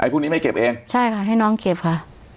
พวกนี้ไม่เก็บเองใช่ค่ะให้น้องเก็บค่ะ